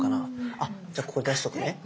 あじゃあここ出しとくね。